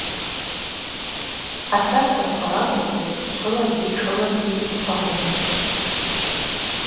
Атракторква ракӏвымкӏва чвылагьи тшылагьи йчвагъвун.